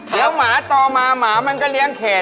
แล้วหมาต่อมาหมามันก็เลี้ยงแขก